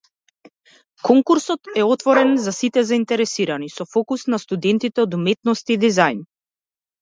Конкурсот е отворен за сите заинтересирани, со фокус на студентите од уметности и дизајн.